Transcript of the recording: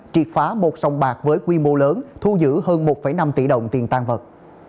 triệt phá một sòng bạc với quy mô lớn thu giữ hơn một năm tỷ đồng tiền tan vật